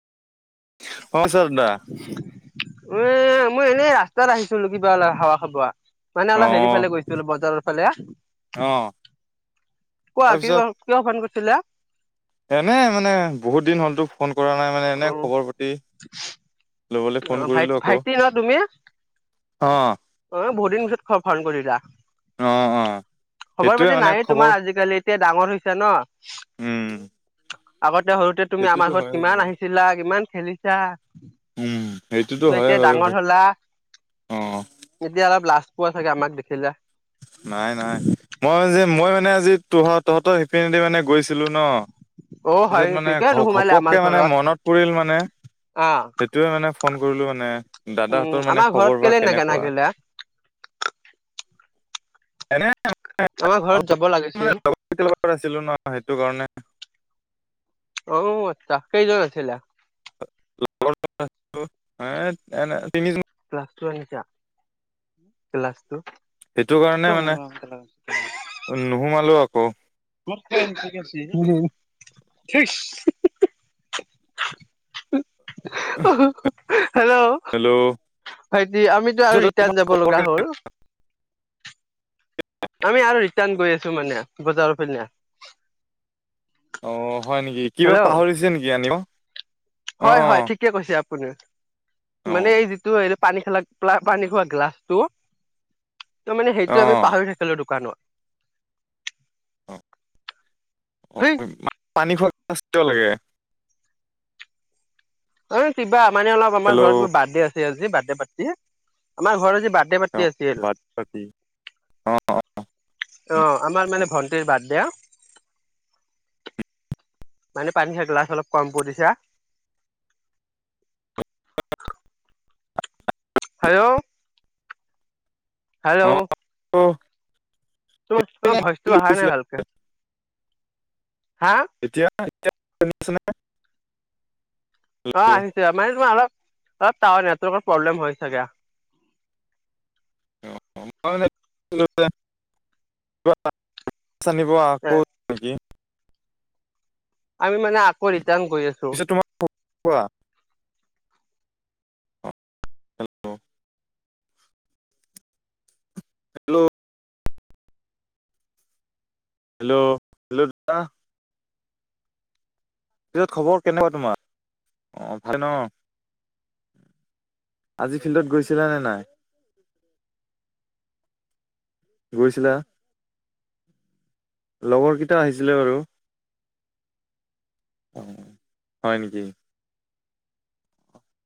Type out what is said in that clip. অ [unintelligible] ৱে মই এনেই ৰাস্তাত আহিছিলোঁ কিবা অলপ হাৱা খাবা। মানে অ অলপ হেৰি ফালে গৈছিলোঁ বজাৰৰ ফালে অ কোৱা কি [unintelligible] কিয় ফোন কৰিছিলা? এনেই মানে বহুত দিন হ'লতো ফোন কৰা নাই মানে অ এনে খবৰ পাতি। ল'বলৈ অ, ফোন ভাই কৰিলো আকৌ -ভাইটিয়ে ন' তুমি? অ অ, বহুত দিন পিছত ফ - ফোন কৰিলা অ অ খবৰ সেইটোয়ে পাতি মানে নায়ে খবৰ তোমাৰ আজিকালি। এতিয়া ডাঙৰ হৈছে ন' উম, আগতে সৰুতে তুমি সেইটোতো আমাৰ হয় ঘৰত কিমান আহিছিলা কিমান খেলিছা। উম সেইটোতো ত' হয় এতিয়া বাৰু ডাঙৰ হ'লা অ এতিয়া অলপ লাজ পোৱা চাগে আমাক দেখিলে? নাই-নাই মই যে মই মানে আজি তোহঁত- তহঁতৰ হেপিনেদি মানে গৈছিলো ন' অ হয় পিছত মানে নেকি কিয় ঘ নোসোমালে -ঘপকে আমাৰ মানে ঘৰত মনত পৰিল মানে অ সেইটোয়ে মানে ফোন কৰিলোঁ মানে উম দাদাহঁতৰ মানে আমাৰ ঘৰত খবৰ বা কেলে নাগে কেনেকুৱা? নাগিলা এনে আমাৰ ঘৰত যাব লাগিছিল। [unintelligible] ন সেইটো কাৰণে। ঔ আচ্ছা কেইজন আছিলা? [unintelligible] এনে তিনিজন। ক্লাছটো আনিছা ক্লাছটো? সিটো কাৰণে মানে নোহোমালো আকৌ। [unintelligible] [unintelligible] হেল্ল', ভাইটি আমিতো আৰু ৰিটাৰ্ণ যাব লগা হ'ল। আমি আৰু ৰিটাৰ্ণ গৈ আছো মানে বজাৰৰ পিনে। অ, হয় নেকি কিবা হেল্ল' পাহৰিছে নেকি আনিব? অ হয়- হয় ঠিকে কৈছে আপুনি অ অ মানে এই যিটো এই পানী খেলা পানী খোৱা গ্লাছ টো ত'মানে সেইটো আমি পাহৰি থাক খেলো দোকানত। অ অ, হেই পানী খোৱা গ্লাছ কিয় লাগে? অ, কিবা মানে অলপ আমাৰ হেল্ল' ঘৰত মোৰ বাৰ্থদে আছে আজি বাৰ্থদে পাৰ্টি আমাৰ ঘৰত আজি বাৰ্থডে অ পাৰ্ট [unintelligible] বাট পাতি অ অ আমাৰ মানে ভন্টিৰ বাৰ্থডে। মানে পানী খাইটো গিলাছ অলপ কম কৈ দিছে। হেল্ল', হেল্ল', অহ', তোমাৰ -তোমাৰ ভইচটো আহা নাই গৈছিলে ভালকে, হা? এতিয়া- এতিয়া আনিছে নে অ, আহিছে মানে তোমাৰ অলপ -অলপ টাৱাৰ নেটৱৰ্কৰ প্ৰব্লেম হয় চাগে অহ। [unintelligible] আকৌ [unintelligible] আমি মানে আকৌ ৰিটাৰ্ণ গৈ আছোঁ। পিছত তোমা [unintelligible] কোৱা হেল্ল', হেল্ল', হেল্ল' হেল্ল' দা [unintelligible] পিছত খবৰ কেনেকুৱা তোমাৰ। অ ভাল ন। আজি ফিল্ডত গৈছিলা নে নাই। গৈছিলা। লগৰকেইটা আহিছিলে বাৰু। অ, হয় নেকি?